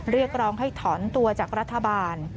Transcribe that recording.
เรียกร้องให้ถอนตัวจากรัฐบาล